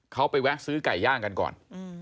เขาไปแวะซื้อไก่ย่างกันก่อน